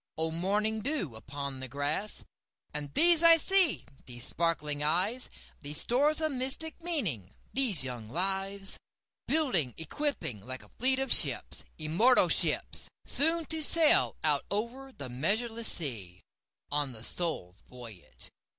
O morning dew upon the grass! And these I see—these sparkling eyes, These stores of mystic meaning—these young lives, Building, equipping, like a fleet of ships—immortal ships! Soon to sail out over the measureless seas, On the Soul's voyage.